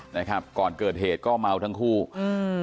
นะครับก่อนเกิดเหตุก็เมาทั้งคู่อืม